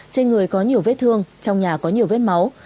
trên người có nhiều vết thương trong nhà có nhiều vết máu